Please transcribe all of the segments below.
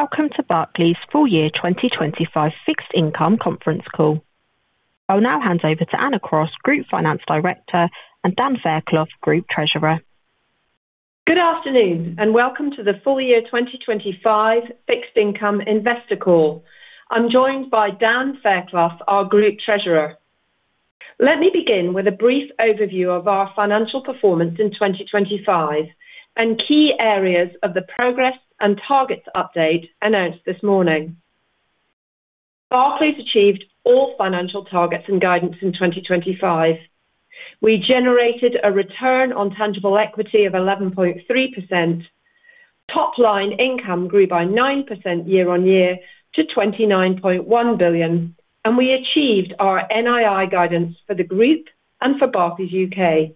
Welcome to Barclays' full-year 2025 fixed income conference call. I'll now hand over to Anna Cross, Group Finance Director, and Dan Fairclough, Group Treasurer. Good afternoon and welcome to the full-year 2025 fixed income investor call. I'm joined by Dan Fairclough, our Group Treasurer. Let me begin with a brief overview of our financial performance in 2025 and key areas of the progress and targets update announced this morning. Barclays achieved all financial targets and guidance in 2025. We generated a return on tangible equity of 11.3%. Top-line income grew by 9% year-on-year to 29.1 billion, and we achieved our NII guidance for the group and for Barclays UK.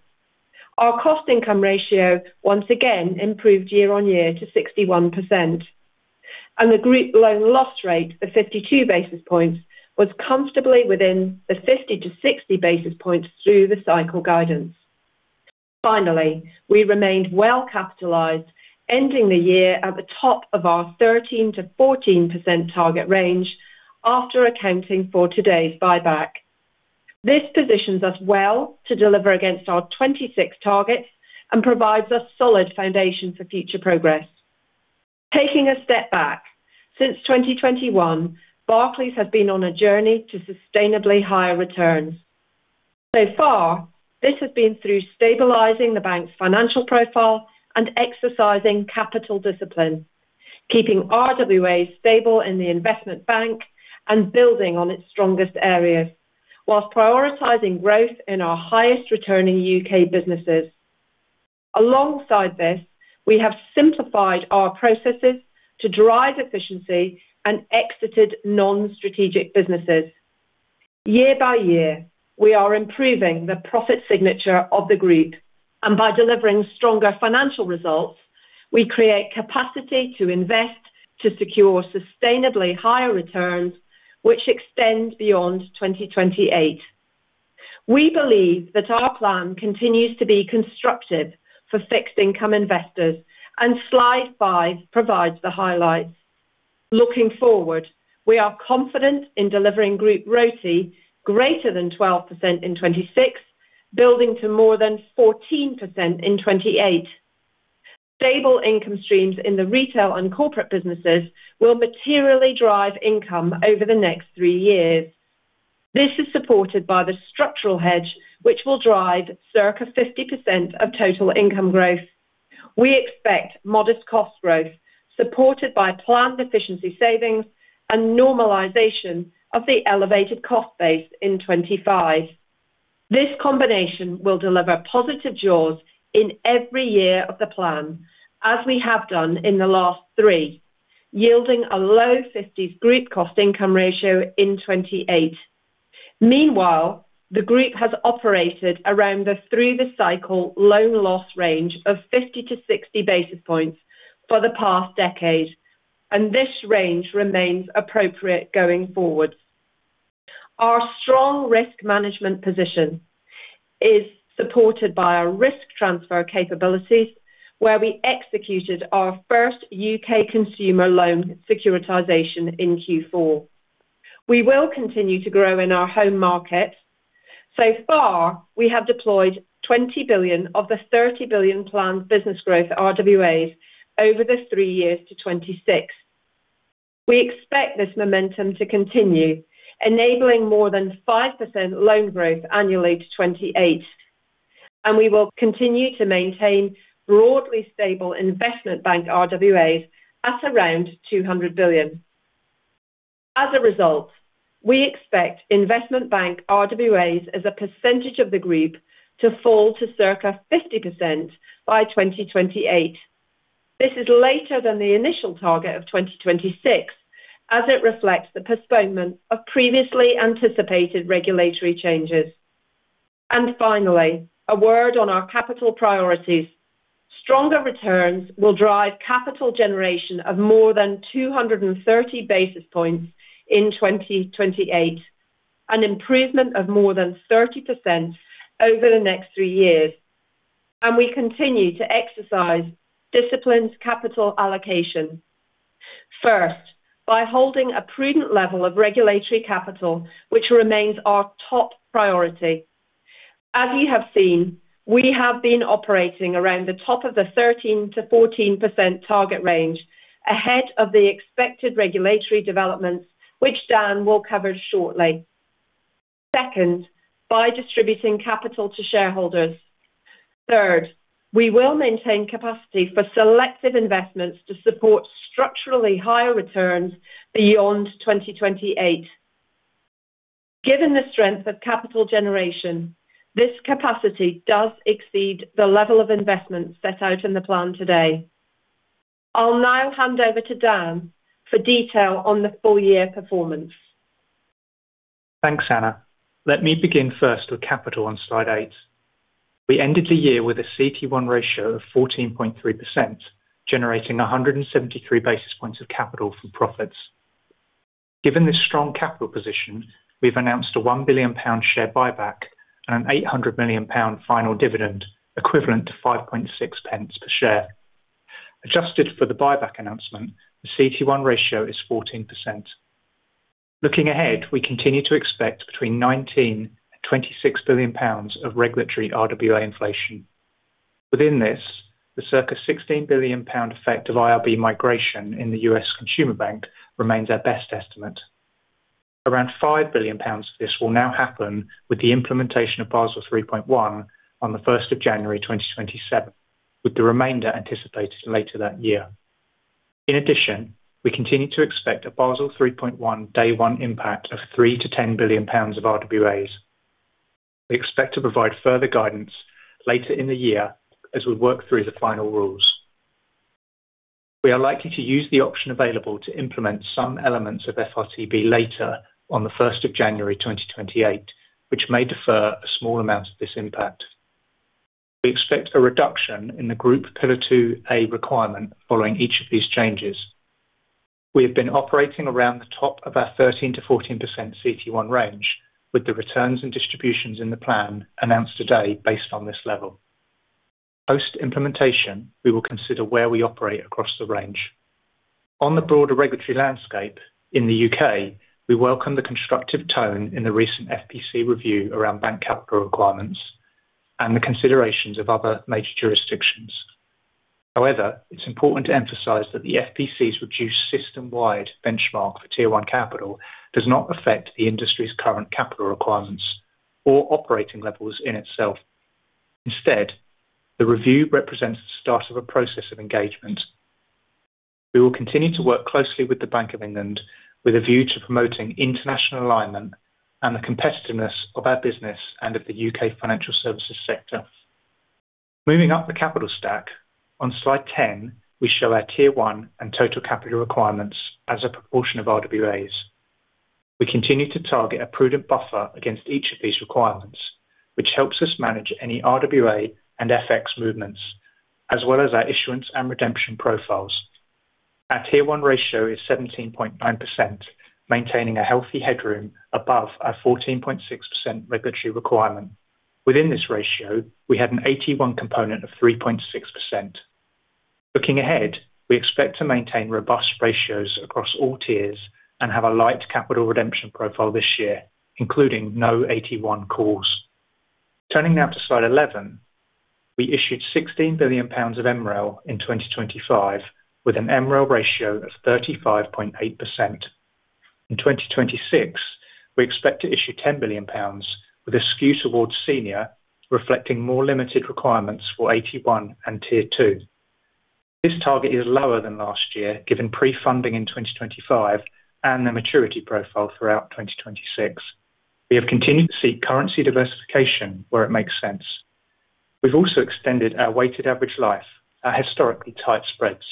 Our cost-income ratio once again improved year-on-year to 61%, and the group loan loss rate, the 52 basis points, was comfortably within the 50-60 basis points through the cycle guidance. Finally, we remained well-capitalized, ending the year at the top of our 13%-14% target range after accounting for today's buyback. This positions us well to deliver against our 26 targets and provides us solid foundation for future progress. Taking a step back, since 2021, Barclays has been on a journey to sustainably higher returns. So far, this has been through stabilizing the bank's financial profile and exercising capital discipline, keeping RWAs stable in the Investment Bank and building on its strongest areas, while prioritizing growth in our highest-returning UK businesses. Alongside this, we have simplified our processes to drive efficiency and exited non-strategic businesses. Year by year, we are improving the profit signature of the group, and by delivering stronger financial results, we create capacity to invest to secure sustainably higher returns, which extend beyond 2028. We believe that our plan continues to be constructive for fixed income investors, and Slide five provides the highlights. Looking forward, we are confident in delivering Group RoTE greater than 12% in 2026, building to more than 14% in 2028. Stable income streams in the retail and corporate businesses will materially drive income over the next three years. This is supported by the structural hedge, which will drive circa 50% of total income growth. We expect modest cost growth supported by planned efficiency savings and normalization of the elevated cost base in 2025. This combination will deliver positive jaws in every year of the plan, as we have done in the last three, yielding a low 50s group cost income ratio in 2028. Meanwhile, the group has operated around the through-the-cycle loan loss range of 50-60 basis points for the past decade, and this range remains appropriate going forward. Our strong risk management position is supported by our risk transfer capabilities, where we executed our first UK consumer loan securitization in Q4. We will continue to grow in our home market. So far, we have deployed 20 billion of the 30 billion planned business growth RWAs over the three years to 2026. We expect this momentum to continue, enabling more than 5% loan growth annually to 2028, and we will continue to maintain broadly stable Investment Bank RWAs at around 200 billion. As a result, we expect Investment Bank RWAs as a percentage of the group to fall to circa 50% by 2028. This is later than the initial target of 2026, as it reflects the postponement of previously anticipated regulatory changes. And finally, a word on our capital priorities. Stronger returns will drive capital generation of more than 230 basis points in 2028, an improvement of more than 30% over the next three years, and we continue to exercise disciplined capital allocation. First, by holding a prudent level of regulatory capital, which remains our top priority. As you have seen, we have been operating around the top of the 13%-14% target range ahead of the expected regulatory developments, which Dan will cover shortly. Second, by distributing capital to shareholders. Third, we will maintain capacity for selective investments to support structurally higher returns beyond 2028. Given the strength of capital generation, this capacity does exceed the level of investment set out in the plan today. I'll now hand over to Dan for detail on the full-year performance. Thanks, Anna. Let me begin first with capital on Slide eight. We ended the year with a CET1 ratio of 14.3%, generating 173 basis points of capital from profits. Given this strong capital position, we've announced a 1 billion pound share buyback and a 800 million pound final dividend equivalent to 5.6 pence per share. Adjusted for the buyback announcement, the CET1 ratio is 14%. Looking ahead, we continue to expect between 19 billion and 26 billion pounds of regulatory RWA inflation. Within this, the circa 16 billion pound effect of IRB migration in the US Consumer Bank remains our best estimate. Around 5 billion pounds of this will now happen with the implementation of Basel 3.1 on the 1st of January, 2027, with the remainder anticipated later that year. In addition, we continue to expect a Basel 3.1 day one impact of 3 billion to 10 billion pounds of RWAs. We expect to provide further guidance later in the year as we work through the final rules. We are likely to use the option available to implement some elements of FRTB later on the 1st of January, 2028, which may defer a small amount of this impact. We expect a reduction in the Group Pillar 2A requirement following each of these changes. We have been operating around the top of our 13%-14% CET1 range, with the returns and distributions in the plan announced today based on this level. Post-implementation, we will consider where we operate across the range. On the broader regulatory landscape in the UK, we welcome the constructive tone in the recent FPC review around bank capital requirements and the considerations of other major jurisdictions. However, it's important to emphasize that the FPC's reduced system-wide benchmark for Tier 1 capital does not affect the industry's current capital requirements or operating levels in itself. Instead, the review represents the start of a process of engagement. We will continue to work closely with the Bank of England with a view to promoting international alignment and the competitiveness of our business and of the UK financial services sector. Moving up the capital stack, on Slide 10, we show our Tier 1 and total capital requirements as a proportion of RWAs. We continue to target a prudent buffer against each of these requirements, which helps us manage any RWA and FX movements, as well as our issuance and redemption profiles. Our Tier 1 ratio is 17.9%, maintaining a healthy headroom above our 14.6% regulatory requirement. Within this ratio, we had an AT1 component of 3.6%. Looking ahead, we expect to maintain robust ratios across all tiers and have a light capital redemption profile this year, including no AT1 calls. Turning now to Slide 11, we issued 16 billion pounds of MREL in 2025 with an MREL ratio of 35.8%. In 2026, we expect to issue 10 billion pounds with a skew towards senior, reflecting more limited requirements for AT1 and Tier 2. This target is lower than last year, given pre-funding in 2025 and the maturity profile throughout 2026. We have continued to seek currency diversification where it makes sense. We've also extended our weighted average life, our historically tight spreads.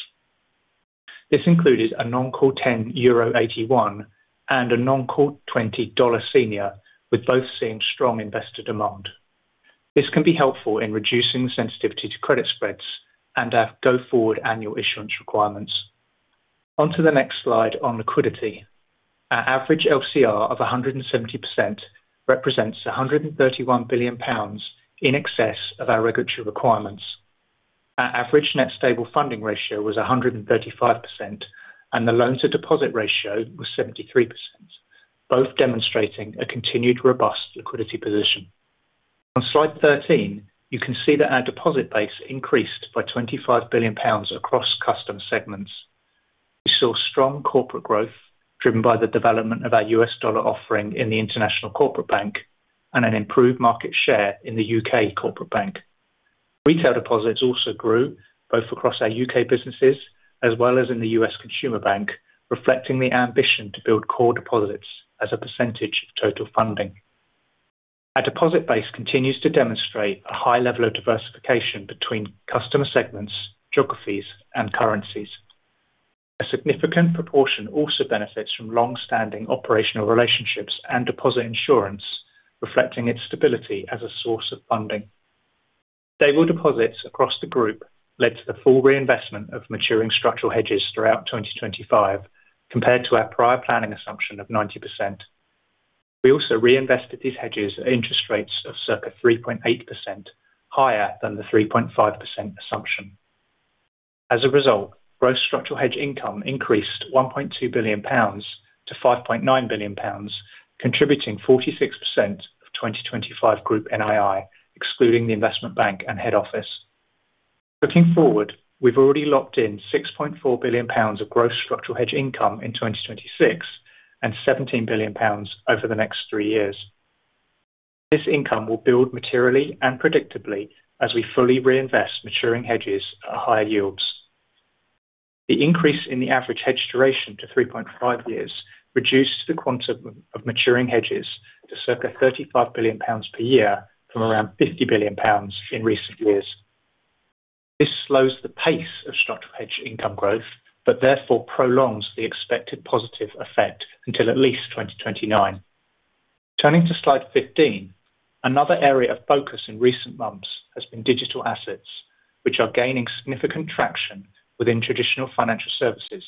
This included a non-call 10 euro AT1 and a non-call 20 senior, with both seeing strong investor demand. This can be helpful in reducing sensitivity to credit spreads and our go-forward annual issuance requirements. Onto the next slide on liquidity. Our average LCR of 170% represents 131 billion pounds in excess of our regulatory requirements. Our average net stable funding ratio was 135%, and the loan-to-deposit ratio was 73%, both demonstrating a continued robust liquidity position. On Slide 13, you can see that our deposit base increased by 25 billion pounds across customer segments. We saw strong corporate growth driven by the development of our US dollar offering in the International Corporate Bank and an improved market share in the UK Corporate Bank. Retail deposits also grew, both across our UK businesses as well as in the US Consumer Bank, reflecting the ambition to build core deposits as a percentage of total funding. Our deposit base continues to demonstrate a high level of diversification between customer segments, geographies, and currencies. A significant proportion also benefits from longstanding operational relationships and deposit insurance, reflecting its stability as a source of funding. Stable deposits across the group led to the full reinvestment of maturing structural hedges throughout 2025, compared to our prior planning assumption of 90%. We also reinvested these hedges at interest rates of circa 3.8%, higher than the 3.5% assumption. As a result, gross structural hedge income increased 1.2 billion pounds to 5.9 billion pounds, contributing 46% of 2025 group NII, excluding the Investment Bank and head office. Looking forward, we've already locked in 6.4 billion pounds of gross structural hedge income in 2026 and 17 billion pounds over the next three years. This income will build materially and predictably as we fully reinvest maturing hedges at higher yields. The increase in the average hedge duration to three and half years reduced the quantum of maturing hedges to circa 35 billion pounds per year from around 50 billion pounds in recent years. This slows the pace of structural hedge income growth, but therefore prolongs the expected positive effect until at least 2029. Turning to Slide 15, another area of focus in recent months has been digital assets, which are gaining significant traction within traditional financial services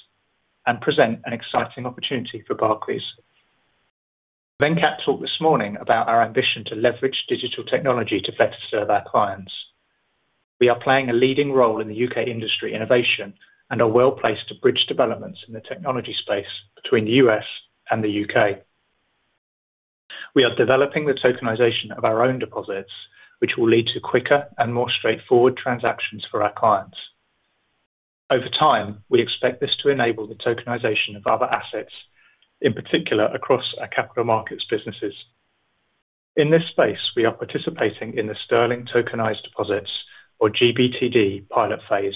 and present an exciting opportunity for Barclays. In the keynote talk this morning about our ambition to leverage digital technology to better serve our clients. We are playing a leading role in the U.K. industry innovation and are well placed to bridge developments in the technology space between the U.S. and the U.K. We are developing the tokenization of our own deposits, which will lead to quicker and more straightforward transactions for our clients. Over time, we expect this to enable the tokenization of other assets, in particular across our capital markets businesses. In this space, we are participating in the Sterling Tokenized Deposits, or GBTD, pilot phase.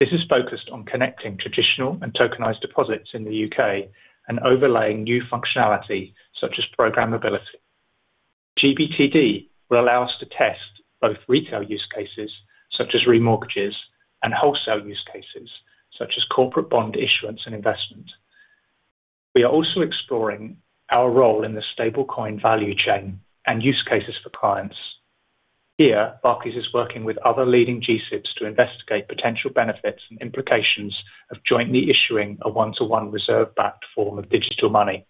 This is focused on connecting traditional and tokenized deposits in the UK and overlaying new functionality such as programmability. GBTD will allow us to test both retail use cases such as remortgages and wholesale use cases such as corporate bond issuance and investment. We are also exploring our role in the stablecoin value chain and use cases for clients. Here, Barclays is working with other leading G-SIBs to investigate potential benefits and implications of jointly issuing a one-to-one reserve-backed form of digital money.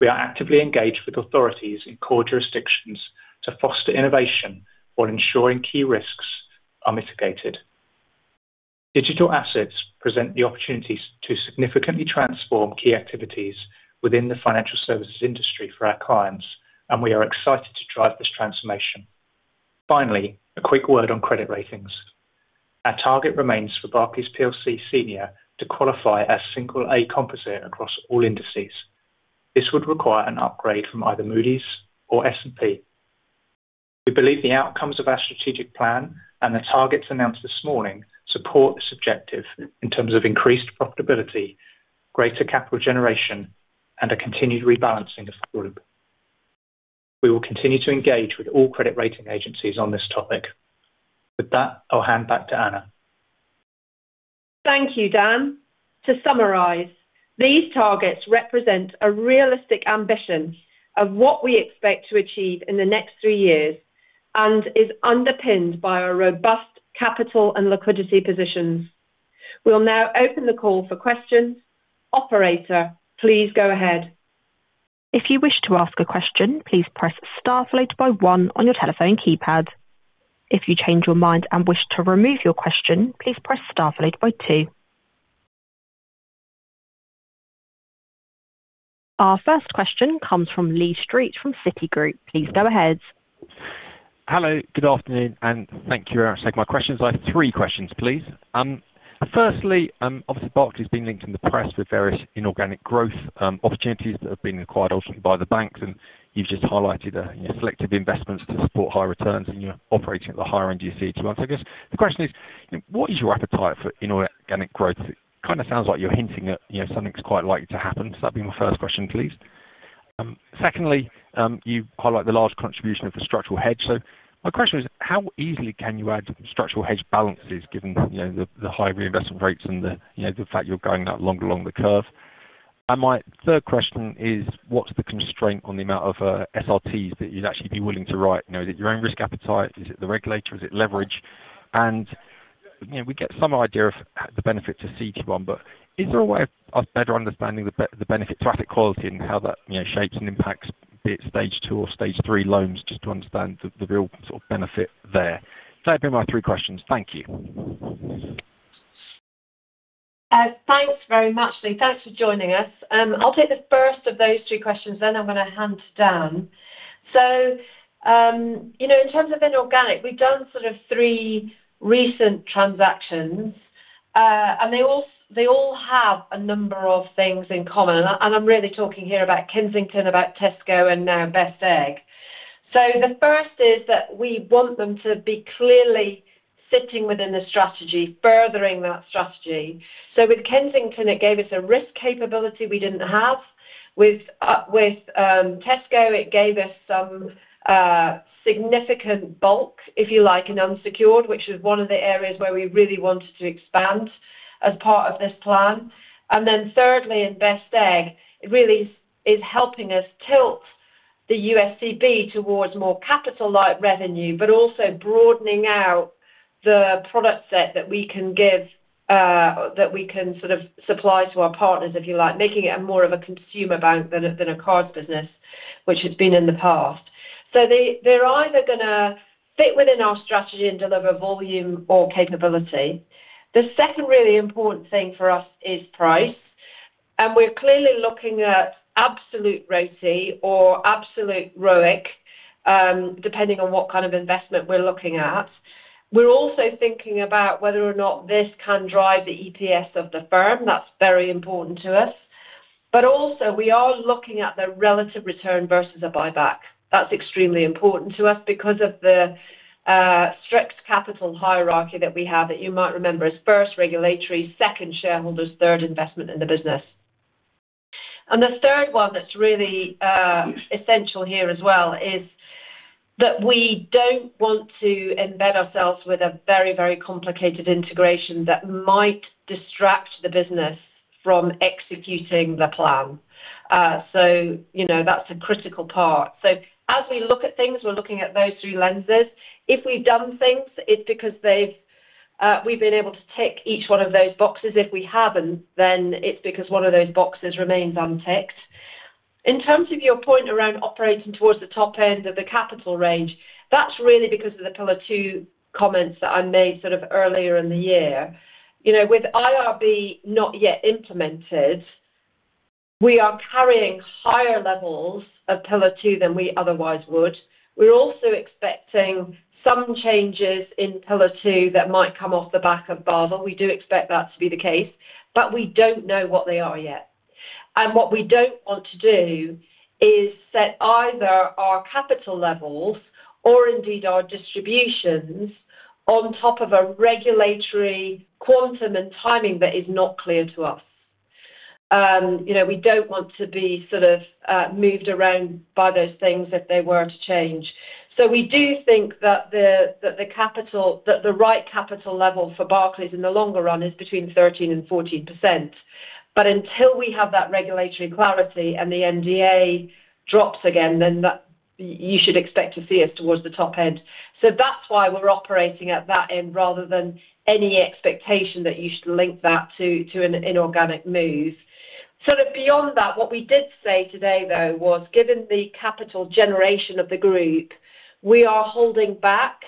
We are actively engaged with authorities in core jurisdictions to foster innovation while ensuring key risks are mitigated. Digital assets present the opportunity to significantly transform key activities within the financial services industry for our clients, and we are excited to drive this transformation. Finally, a quick word on credit ratings. Our target remains for Barclays PLC senior to qualify as single A composite across all indices. This would require an upgrade from either Moody's or S&P. We believe the outcomes of our strategic plan and the targets announced this morning support the subjective in terms of increased profitability, greater capital generation, and a continued rebalancing of the group. We will continue to engage with all credit rating agencies on this topic. With that, I'll hand back to Anna. Thank you, Dan. To summarize, these targets represent a realistic ambition of what we expect to achieve in the next three years and is underpinned by our robust capital and liquidity positions. We'll now open the call for questions. Operator, please go ahead. If you wish to ask a question, please press star followed by one on your telephone keypad. If you change your mind and wish to remove your question, please press star followed by two. Our first question comes from Lee Street from Citigroup. Please go ahead. Hello. Good afternoon, and thank you very much for taking my questions. I have three questions, please. Firstly, obviously, Barclays has been linked in the press with various inorganic growth opportunities that have been acquired ultimately by the banks, and you've just highlighted selective investments to support high returns and you're operating at the higher end of your CET1. So I guess the question is, what is your appetite for inorganic growth? It kind of sounds like you're hinting that something's quite likely to happen. So that'd be my first question, please. Secondly, you highlight the large contribution of the structural hedge. So my question is, how easily can you add structural hedge balances given the high reinvestment rates and the fact you're going that long along the curve? And my third question is, what's the constraint on the amount of SRTs that you'd actually be willing to write? Is it your own risk appetite? Is it the regulator? Is it leverage? And we get some idea of the benefits of CET1, but is there a way of us better understanding the benefit to asset quality and how that shapes and impacts, be it stage two or stage three, loans, just to understand the real sort of benefit there? So that'd be my three questions. Thank you. Thanks very much, Lee. Thanks for joining us. I'll take the first of those three questions, then I'm going to hand to Dan. So in terms of inorganic, we've done sort of three recent transactions, and they all have a number of things in common. And I'm really talking here about Kensington, about Tesco, and now Best Egg. So the first is that we want them to be clearly sitting within the strategy, furthering that strategy. So with Kensington, it gave us a risk capability we didn't have. With Tesco, it gave us some significant bulk, if you like, and unsecured, which is one of the areas where we really wanted to expand as part of this plan. And then thirdly, in Best Egg, it really is helping us tilt the USCB towards more capital-like revenue, but also broadening out the product set that we can give that we can sort of supply to our partners, if you like, making it more of a consumer bank than a cards business, which it's been in the past. So they're either going to fit within our strategy and deliver volume or capability. The second really important thing for us is price. And we're clearly looking at absolute RoTE or absolute ROIC, depending on what kind of investment we're looking at. We're also thinking about whether or not this can drive the EPS of the firm. That's very important to us. But also, we are looking at the relative return versus a buyback. That's extremely important to us because of the strict capital hierarchy that we have that you might remember as first regulatory, second shareholders, third investment in the business. And the third one that's really essential here as well is that we don't want to embed ourselves with a very, very complicated integration that might distract the business from executing the plan. So that's a critical part. So as we look at things, we're looking at those three lenses. If we've done things, it's because we've been able to tick each one of those boxes. If we haven't, then it's because one of those boxes remains unticked. In terms of your point around operating towards the top end of the capital range, that's really because of the Pillar 2 comments that I made sort of earlier in the year. With IRB not yet implemented, we are carrying higher levels of Pillar 2 than we otherwise would. We're also expecting some changes in Pillar 2 that might come off the back of Basel. We do expect that to be the case, but we don't know what they are yet. And what we don't want to do is set either our capital levels or indeed our distributions on top of a regulatory quantum and timing that is not clear to us. We don't want to be sort of moved around by those things if they were to change. So we do think that the right capital level for Barclays in the longer run is between 13% and 14%. But until we have that regulatory clarity and the NDA drops again, then you should expect to see us towards the top end. So that's why we're operating at that end rather than any expectation that you should link that to an inorganic move. Sort of beyond that, what we did say today, though, was given the capital generation of the group, we are holding back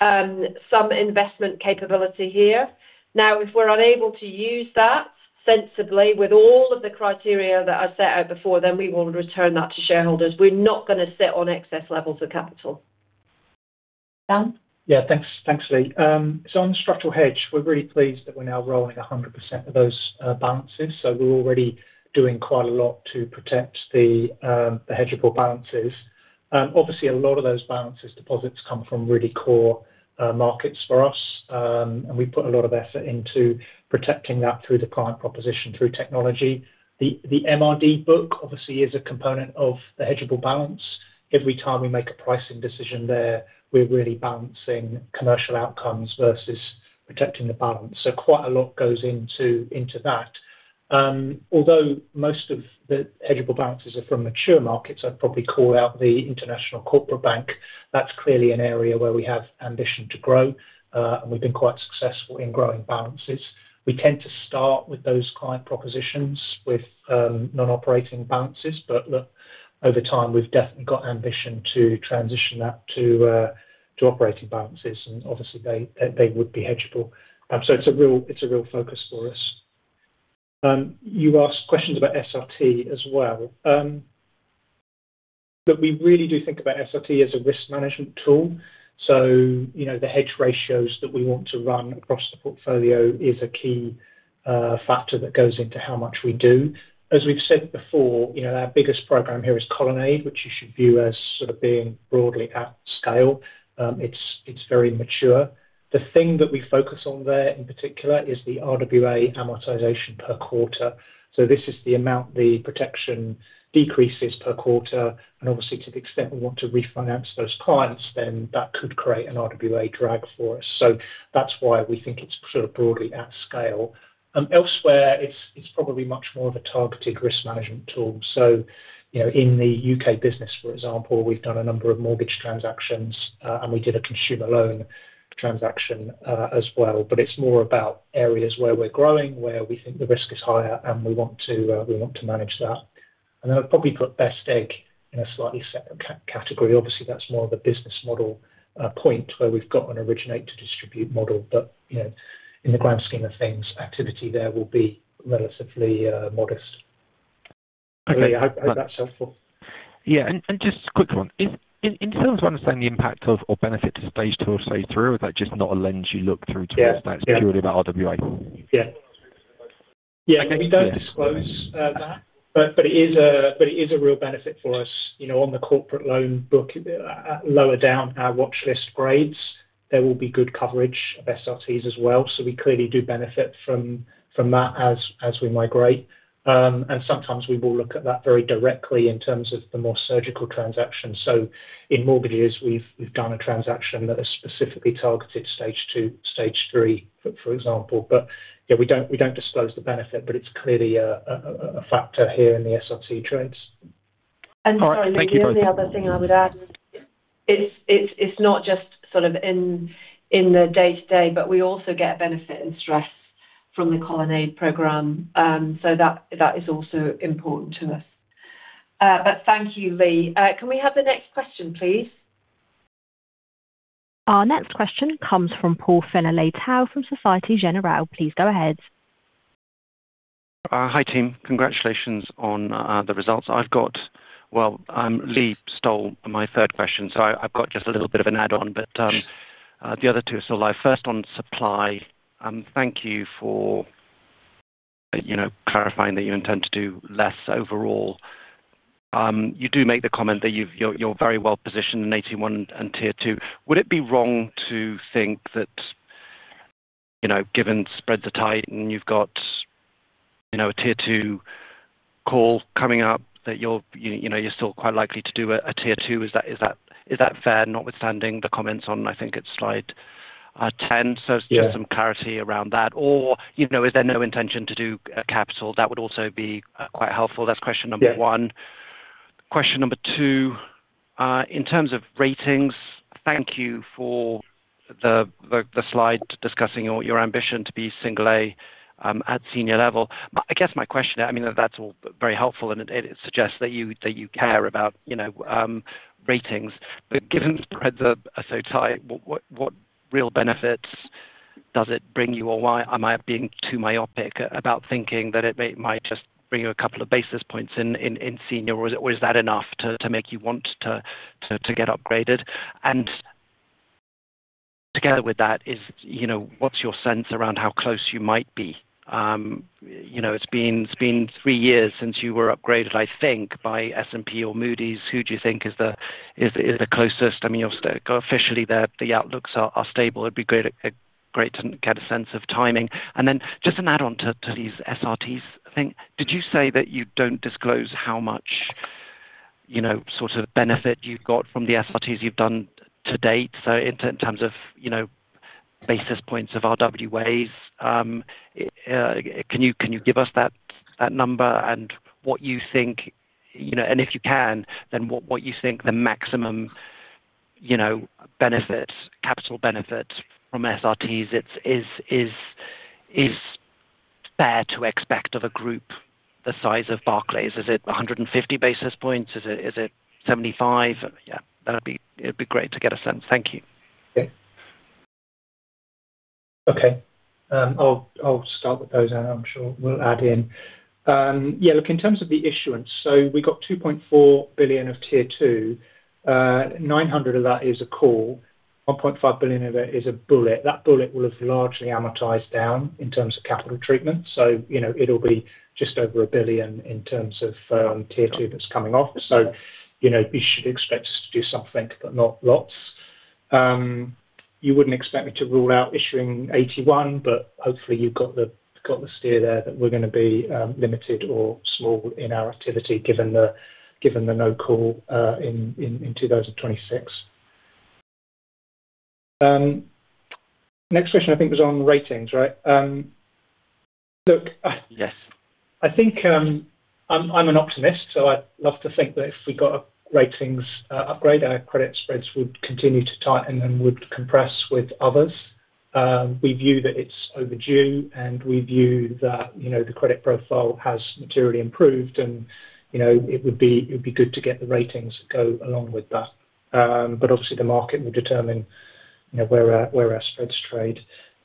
some investment capability here. Now, if we're unable to use that sensibly with all of the criteria that I set out before, then we will return that to shareholders. We're not going to sit on excess levels of capital. Dan? Yeah. Thanks, Lee. So on the structural hedge, we're really pleased that we're now rolling 100% of those balances. So we're already doing quite a lot to protect the hedgeable balances. Obviously, a lot of those balance deposits come from really core markets for us, and we put a lot of effort into protecting that through the client proposition, through technology. The MRD book, obviously, is a component of the hedgeable balance. Every time we make a pricing decision there, we're really balancing commercial outcomes versus protecting the balance. So quite a lot goes into that. Although most of the hedgeable balances are from mature markets, I'd probably call out the International Corporate Bank. That's clearly an area where we have ambition to grow, and we've been quite successful in growing balances. We tend to start with those client propositions with non-operating balances, but over time, we've definitely got ambition to transition that to operating balances, and obviously, they would be hedgeable. So it's a real focus for us. You asked questions about SRT as well. But we really do think about SRT as a risk management tool. So the hedge ratios that we want to run across the portfolio is a key factor that goes into how much we do. As we've said before, our biggest program here is Colonnade, which you should view as sort of being broadly at scale. It's very mature. The thing that we focus on there in particular is the RWA amortization per quarter. So this is the amount the protection decreases per quarter. And obviously, to the extent we want to refinance those clients, then that could create an RWA drag for us. So that's why we think it's sort of broadly at scale. Elsewhere, it's probably much more of a targeted risk management tool. So in the U.K. business, for example, we've done a number of mortgage transactions, and we did a consumer loan transaction as well. But it's more about areas where we're growing, where we think the risk is higher, and we want to manage that. And then I'd probably put Best Egg in a slightly separate category. Obviously, that's more of a business model point where we've got an originate-to-distribute model. But in the grand scheme of things, activity there will be relatively modest. I hope that's helpful. Yeah. And just a quick one. In terms of understanding the impact or benefit to stage two or stage three, or is that just not a lens you look through towards that? It's purely about RWA? Yeah. Yeah. We don't disclose that, but it is a real benefit for us. On the corporate loan book, lower down our watchlist grades, there will be good coverage of SRTs as well. So we clearly do benefit from that as we migrate. And sometimes we will look at that very directly in terms of the more surgical transactions. So in mortgages, we've done a transaction that is specifically targeted stage two, stage three, for example. But yeah, we don't disclose the benefit, but it's clearly a factor here in the SRT trades. Sorry, Lee, the other thing I would add is it's not just sort of in the day-to-day, but we also get benefit and stress from the Colonnade program. That is also important to us. Thank you, Lee. Can we have the next question, please? Our next question comes from Paul Fenner-Leitão from Société Générale. Please go ahead. Hi team. Congratulations on the results I've got. Well, Lee stole my third question, so I've got just a little bit of an add-on, but the other two are still live. First, on supply, thank you for clarifying that you intend to do less overall. You do make the comment that you're very well positioned in AT1 and Tier 2. Would it be wrong to think that given spreads are tight and you've got a Tier 2 call coming up that you're still quite likely to do a Tier 2? Is that fair, notwithstanding the comments on I think it's slide 10? So it's just some clarity around that. Or is there no intention to do capital? That would also be quite helpful. That's question number one. Question number two, in terms of ratings, thank you for the slide discussing your ambition to be single-A at senior level. I guess my question. I mean, that's all very helpful, and it suggests that you care about ratings. But given spreads are so tight, what real benefits does it bring you, or am I being too myopic about thinking that it might just bring you a couple of basis points in senior, or is that enough to make you want to get upgraded? And together with that, what's your sense around how close you might be? It's been three years since you were upgraded, I think, by S&P or Moody's. Who do you think is the closest? I mean, officially, the outlooks are stable. It'd be great to get a sense of timing. And then just an add-on to these SRTs thing, did you say that you don't disclose how much sort of benefit you've got from the SRTs you've done to date? So in terms of basis points of RWAs, can you give us that number and what you think? And if you can, then what you think the maximum capital benefit from SRTs is fair to expect of a group the size of Barclays? Is it 150 basis points? Is it 75? Yeah. That'd be great to get a sense. Thank you. Okay. I'll start with those, and I'm sure we'll add in. Yeah. Look, in terms of the issuance, so we've got 2.4 billion of Tier 2. 900 million of that is a call. 1.5 billion of it is a bullet. That bullet will have largely amortised down in terms of capital treatment. So it'll be just over 1 billion in terms of Tier 2 that's coming off. So you should expect us to do something, but not lots. You wouldn't expect me to rule out issuing AT1, but hopefully, you've got the steer there that we're going to be limited or small in our activity given the no-call in 2026. Next question, I think, was on ratings, right? Look, I think I'm an optimist, so I'd love to think that if we got a ratings upgrade, our credit spreads would continue to tighten and would compress with others. We view that it's overdue, and we view that the credit profile has materially improved, and it would be good to get the ratings to go along with that. But obviously, the market will determine where our spreads trade.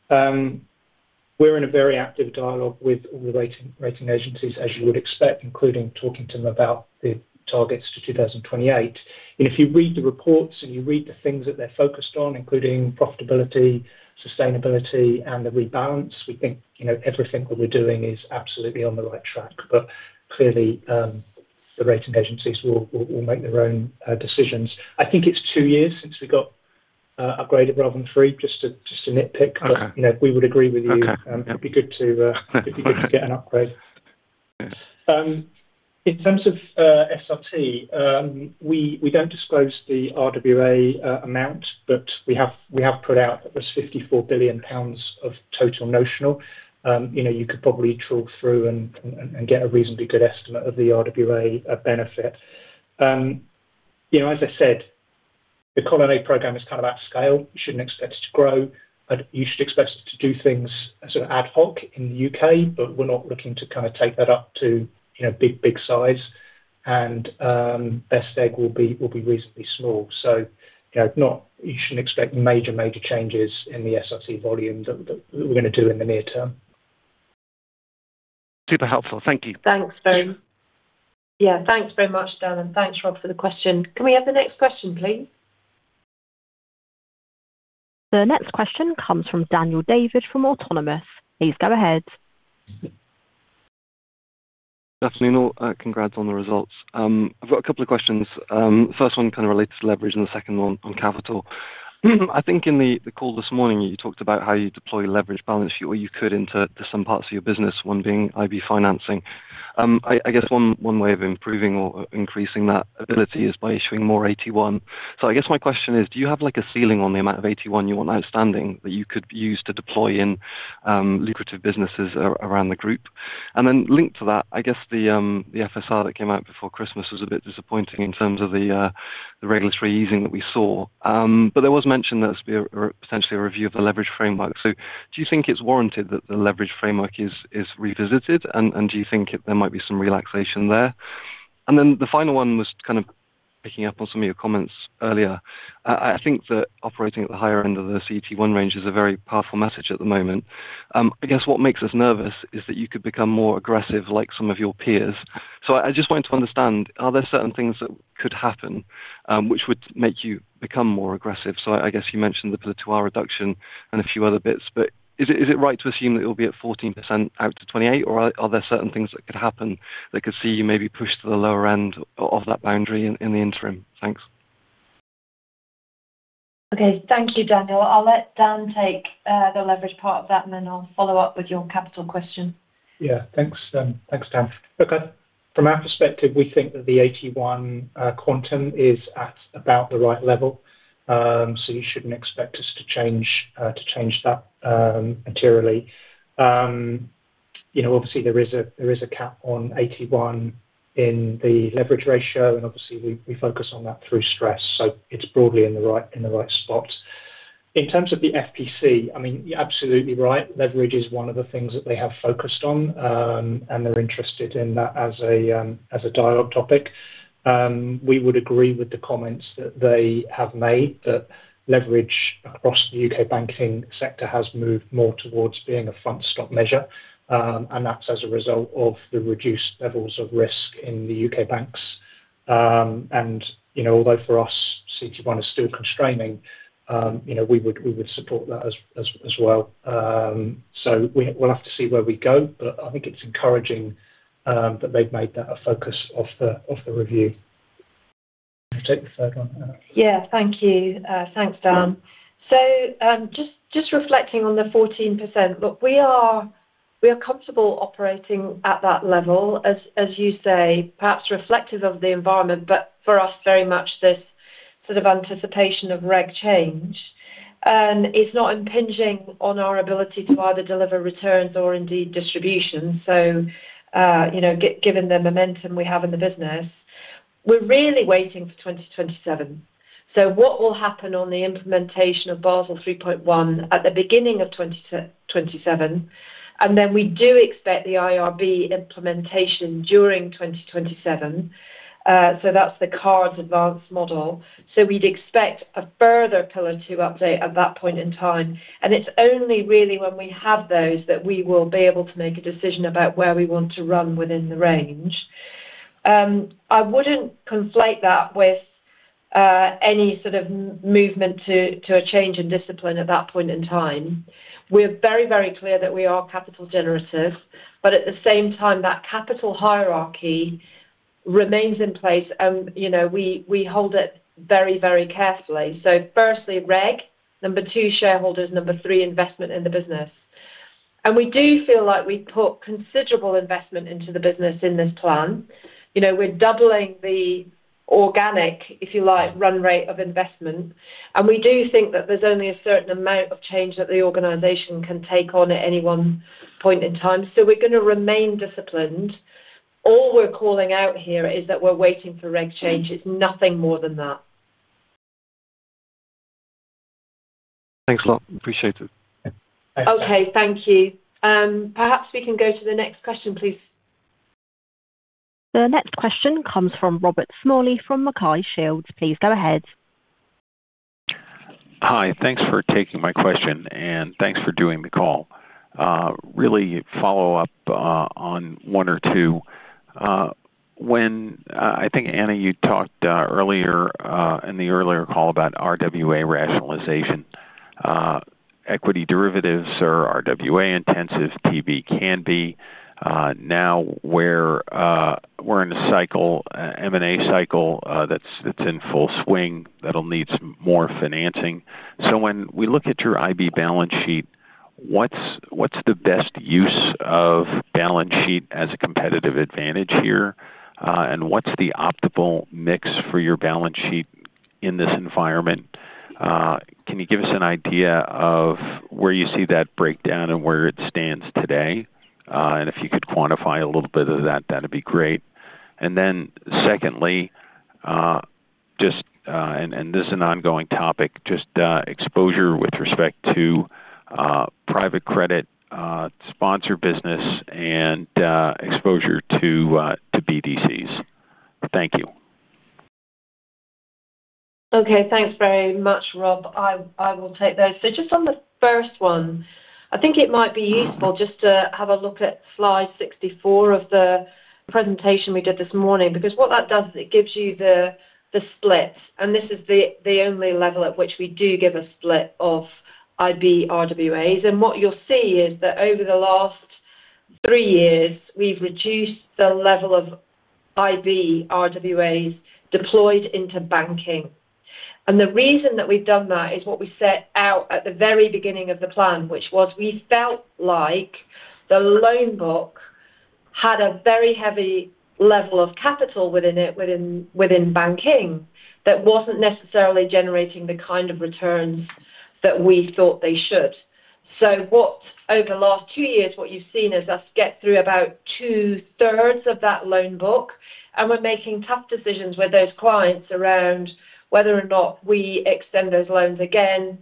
We're in a very active dialogue with all the rating agencies, as you would expect, including talking to them about the targets to 2028. And if you read the reports and you read the things that they're focused on, including profitability, sustainability, and the rebalance, we think everything that we're doing is absolutely on the right track. But clearly, the rating agencies will make their own decisions. I think it's two years since we got upgraded rather than three, just a nitpick. But we would agree with you. It'd be good to get an upgrade. In terms of SRT, we don't disclose the RWA amount, but we have put out that there's 54 billion pounds of total notional. You could probably trawl through and get a reasonably good estimate of the RWA benefit. As I said, the Colonnade program is kind of at scale. You shouldn't expect it to grow. You should expect us to do things sort of ad hoc in the UK, but we're not looking to kind of take that up to big, big size. And Best Egg will be reasonably small. So you shouldn't expect major, major changes in the SRT volume that we're going to do in the near term. Super helpful. Thank you. Thanks very much. Yeah. Thanks very much, Dan. And thanks, Rob, for the question. Can we have the next question, please? The next question comes from Daniel David from Autonomous. Please go ahead. Stephanie Noor, congrats on the results. I've got a couple of questions. The first one kind of related to leverage and the second one on capital. I think in the call this morning, you talked about how you deploy leverage balance sheet, or you could, into some parts of your business, one being IB financing. I guess one way of improving or increasing that ability is by issuing more AT1. So I guess my question is, do you have a ceiling on the amount of AT1 you want outstanding that you could use to deploy in lucrative businesses around the group? And then linked to that, I guess the FSR that came out before Christmas was a bit disappointing in terms of the regulatory easing that we saw. But there was mention that there's potentially a review of the leverage framework. So do you think it's warranted that the leverage framework is revisited, and do you think there might be some relaxation there? And then the final one was kind of picking up on some of your comments earlier. I think that operating at the higher end of the CET1 range is a very powerful message at the moment. I guess what makes us nervous is that you could become more aggressive like some of your peers. So I just wanted to understand, are there certain things that could happen which would make you become more aggressive? So I guess you mentioned the Pillar 2A reduction and a few other bits. But is it right to assume that it'll be at 14%-28%, or are there certain things that could happen that could see you maybe pushed to the lower end of that boundary in the interim? Thanks. Okay. Thank you, Daniel. I'll let Dan take the leverage part of that, and then I'll follow up with your capital question. Yeah. Thanks, Dan. Okay. From our perspective, we think that the AT1 quantum is at about the right level. So you shouldn't expect us to change that materially. Obviously, there is a cap on AT1 in the leverage ratio, and obviously, we focus on that through stress. So it's broadly in the right spot. In terms of the FPC, I mean, you're absolutely right. Leverage is one of the things that they have focused on, and they're interested in that as a dialogue topic. We would agree with the comments that they have made that leverage across the UK banking sector has moved more towards being a front-stop measure. And that's as a result of the reduced levels of risk in the UK banks. And although for us, CET1 is still constraining, we would support that as well. So we'll have to see where we go, but I think it's encouraging that they've made that a focus of the review. I'll take the third one. Yeah. Thank you. Thanks, Dan. So just reflecting on the 14%, look, we are comfortable operating at that level, as you say, perhaps reflective of the environment, but for us, very much this sort of anticipation of reg change is not impinging on our ability to either deliver returns or indeed distributions. So given the momentum we have in the business, we're really waiting for 2027. So what will happen on the implementation of Basel 3.1 at the beginning of 2027? And then we do expect the IRB implementation during 2027. So that's the IRB's advanced model. So we'd expect a further Pillar 2 update at that point in time. And it's only really when we have those that we will be able to make a decision about where we want to run within the range. I wouldn't conflate that with any sort of movement to a change in discipline at that point in time. We're very, very clear that we are capital-generative, but at the same time, that capital hierarchy remains in place, and we hold it very, very carefully. So firstly, reg. Number two, shareholders. Number three, investment in the business. And we do feel like we put considerable investment into the business in this plan. We're doubling the organic, if you like, run rate of investment. And we do think that there's only a certain amount of change that the organization can take on at any one point in time. So we're going to remain disciplined. All we're calling out here is that we're waiting for reg change. It's nothing more than that. Thanks a lot. Appreciate it. Okay. Thank you. Perhaps we can go to the next question, please. The next question comes from Robert Smalley from MacKay Shields. Please go ahead. Hi. Thanks for taking my question, and thanks for doing the call. Really follow up on one or two. I think, Anna, you talked earlier in the earlier call about RWA rationalization. Equity derivatives are RWA-intensive. TB can be. Now we're in a M&A cycle that's in full swing that'll need some more financing. So when we look at your IB balance sheet, what's the best use of balance sheet as a competitive advantage here, and what's the optimal mix for your balance sheet in this environment? Can you give us an idea of where you see that breakdown and where it stands today? And if you could quantify a little bit of that, that'd be great. And then secondly, and this is an ongoing topic, just exposure with respect to private credit sponsor business and exposure to BDCs. Thank you. Okay. Thanks very much, Rob. I will take those. So just on the first one, I think it might be useful just to have a look at slide 64 of the presentation we did this morning because what that does is it gives you the split. And this is the only level at which we do give a split of IB RWAs. And what you'll see is that over the last three years, we've reduced the level of IB RWAs deployed into banking. And the reason that we've done that is what we set out at the very beginning of the plan, which was we felt like the loan book had a very heavy level of capital within it, within banking, that wasn't necessarily generating the kind of returns that we thought they should. So over the last two years, what you've seen is us get through about 2/3 of that loan book, and we're making tough decisions with those clients around whether or not we extend those loans again,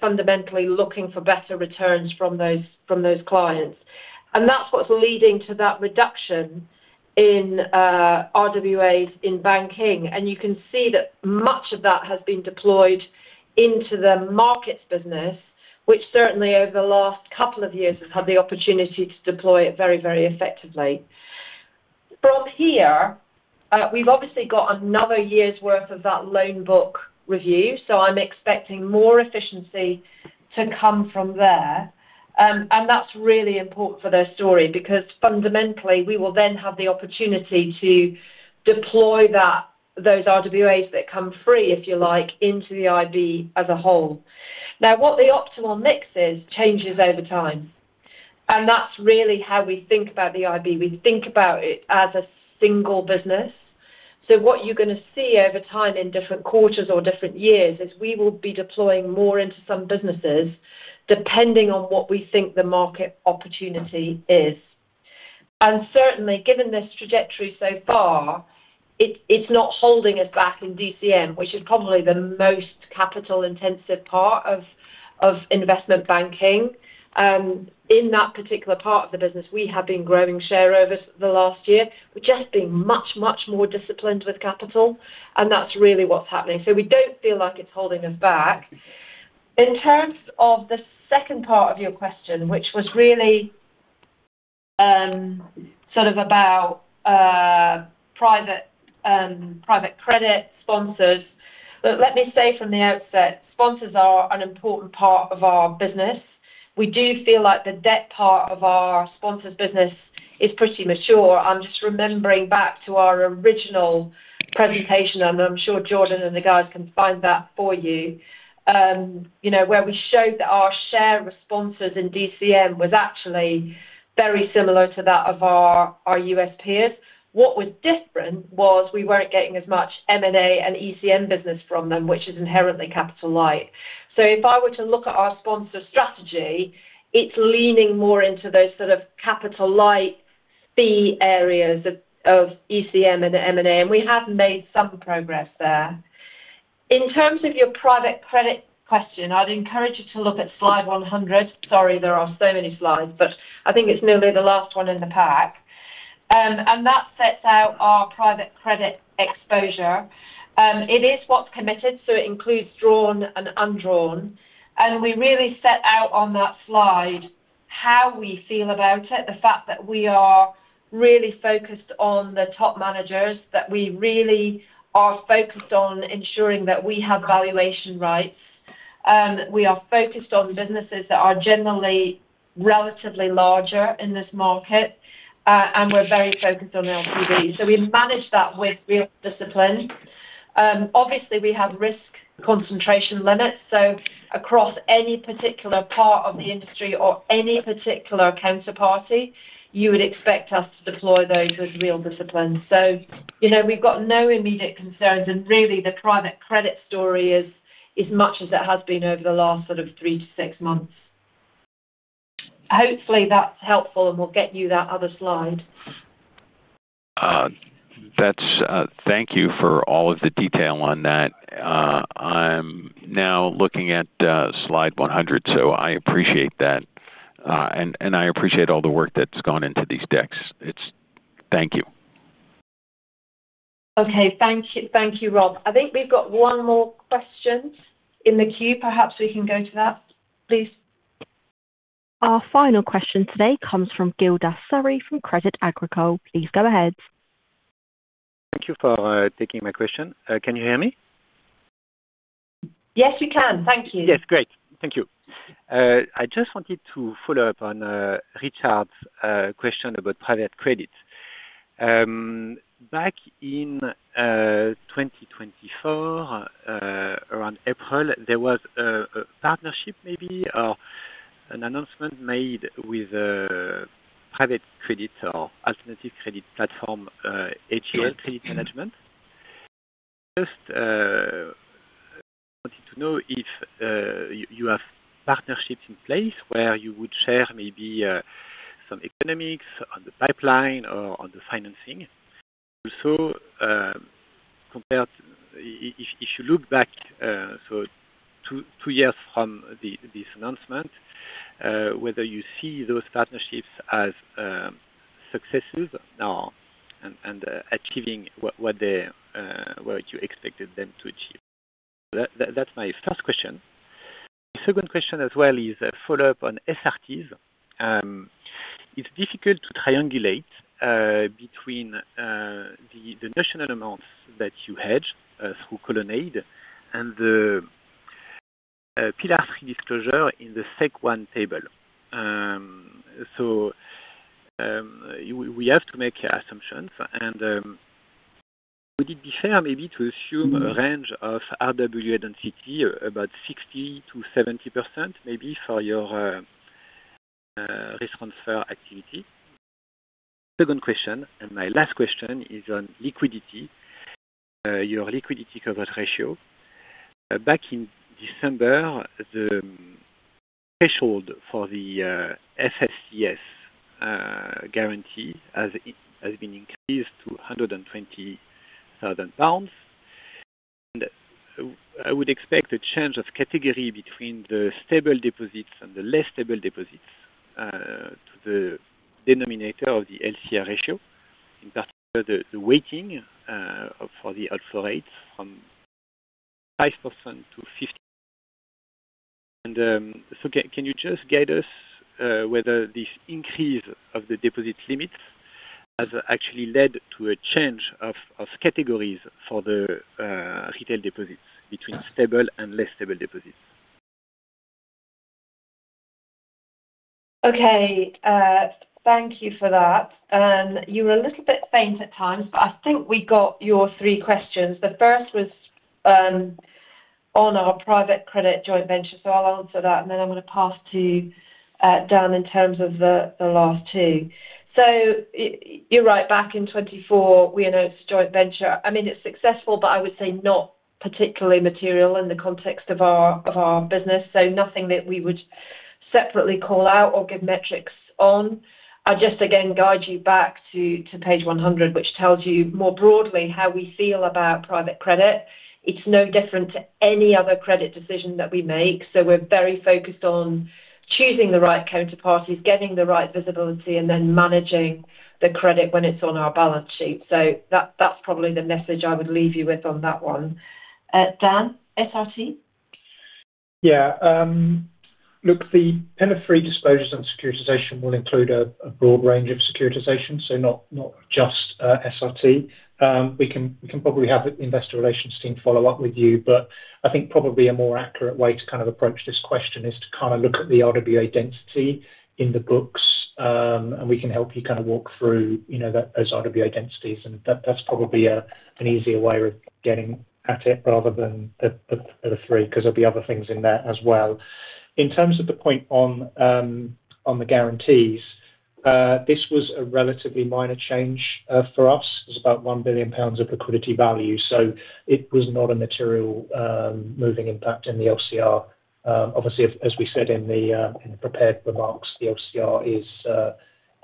fundamentally looking for better returns from those clients. And that's what's leading to that reduction in RWAs in banking. And you can see that much of that has been deployed into the markets business, which certainly over the last couple of years has had the opportunity to deploy it very, very effectively. From here, we've obviously got another year's worth of that loan book review. So I'm expecting more efficiency to come from there. And that's really important for their story because fundamentally, we will then have the opportunity to deploy those RWAs that come free, if you like, into the IB as a whole. Now, what the optimal mix is changes over time. That's really how we think about the IB. We think about it as a single business. So what you're going to see over time in different quarters or different years is we will be deploying more into some businesses depending on what we think the market opportunity is. And certainly, given this trajectory so far, it's not holding us back in DCM, which is probably the most capital-intensive part of investment banking. In that particular part of the business, we have been growing share over the last year. We're just being much, much more disciplined with capital, and that's really what's happening. So we don't feel like it's holding us back. In terms of the second part of your question, which was really sort of about private credit sponsors, let me say from the outset, sponsors are an important part of our business. We do feel like the debt part of our sponsors' business is pretty mature. I'm just remembering back to our original presentation, and I'm sure Jordan and the guys can find that for you, where we showed that our share responses in DCM was actually very similar to that of our US peers. What was different was we weren't getting as much M&A and ECM business from them, which is inherently capital-light. So if I were to look at our sponsor strategy, it's leaning more into those sort of capital-light fee areas of ECM and M&A, and we have made some progress there. In terms of your private credit question, I'd encourage you to look at slide 100. Sorry, there are so many slides, but I think it's nearly the last one in the pack. And that sets out our private credit exposure. It is what's committed, so it includes drawn and undrawn. We really set out on that slide how we feel about it, the fact that we are really focused on the top managers, that we really are focused on ensuring that we have valuation rights. We are focused on businesses that are generally relatively larger in this market, and we're very focused on LTV. So we manage that with real discipline. Obviously, we have risk concentration limits. So across any particular part of the industry or any particular counterparty, you would expect us to deploy those with real discipline. So we've got no immediate concerns, and really, the private credit story is much as it has been over the last sort of three to six months. Hopefully, that's helpful, and we'll get you that other slide. Thank you for all of the detail on that. I'm now looking at slide 100, so I appreciate that. I appreciate all the work that's gone into these decks. Thank you. Okay. Thank you, Rob. I think we've got one more question in the queue. Perhaps we can go to that, please. Our final question today comes from Gildas Surry from Crédit Agricole. Please go ahead. Thank you for taking my question. Can you hear me? Yes, we can. Thank you. Yes. Great. Thank you. I just wanted to follow up on Richard's question about private credit. Back in 2024, around April, there was a partnership maybe or an announcement made with private credit or alternative credit platform, AGL Credit Management. I just wanted to know if you have partnerships in place where you would share maybe some economics on the pipeline or on the financing. Also, if you look back so two years from this announcement, whether you see those partnerships as successes now and achieving what you expected them to achieve. That's my first question. My second question as well is a follow-up on SRTs. It's difficult to triangulate between the notional amounts that you hedge through Colonnade and the Pillar 3 disclosure in the SEC 1 table. So we have to make assumptions. Would it be fair maybe to assume a range of RWA density, about 60%-70% maybe for your risk transfer activity? Second question. My last question is on liquidity, your liquidity coverage ratio. Back in December, the threshold for the FSCS guarantee has been increased to 120,000 pounds. I would expect a change of category between the stable deposits and the less stable deposits to the denominator of the LCR ratio, in particular the weighting for the outflow rates from 5%-50%. So can you just guide us whether this increase of the deposit limits has actually led to a change of categories for the retail deposits between stable and less stable deposits? Okay. Thank you for that. You were a little bit faint at times, but I think we got your three questions. The first was on our private credit joint venture, so I'll answer that, and then I'm going to pass to Dan in terms of the last two. So you're right. Back in 2024, we announced joint venture. I mean, it's successful, but I would say not particularly material in the context of our business, so nothing that we would separately call out or give metrics on. I'll just, again, guide you back to page 100, which tells you more broadly how we feel about private credit. It's no different to any other credit decision that we make. So we're very focused on choosing the right counterparties, getting the right visibility, and then managing the credit when it's on our balance sheet. That's probably the message I would leave you with on that one. Dan, SRT? Yeah. Look, the penalty-free disclosures and securitisation will include a broad range of securitisation, so not just SRT. We can probably have the investor relations team follow up with you, but I think probably a more accurate way to kind of approach this question is to kind of look at the RWA density in the books, and we can help you kind of walk through those RWA densities. And that's probably an easier way of getting at it rather than the three because there'll be other things in there as well. In terms of the point on the guarantees, this was a relatively minor change for us. It was about 1 billion pounds of liquidity value, so it was not a material moving impact in the LCR. Obviously, as we said in the prepared remarks, the LCR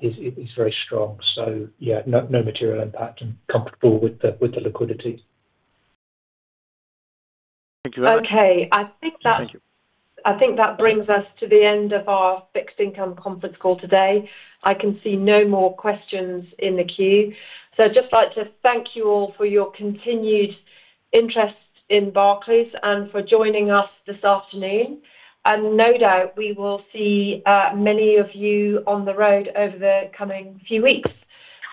is very strong. So yeah, no material impact and comfortable with the liquidity. Thank you very much. Okay. I think that brings us to the end of our fixed income conference call today. I can see no more questions in the queue. So I'd just like to thank you all for your continued interest in Barclays and for joining us this afternoon. And no doubt, we will see many of you on the road over the coming few weeks.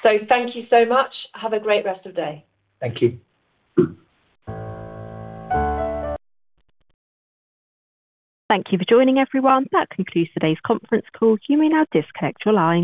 So thank you so much. Have a great rest of day. Thank you. Thank you for joining, everyone. That concludes today's conference call. You may now disconnect your line.